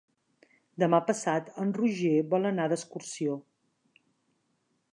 Demà passat en Roger vol anar d'excursió.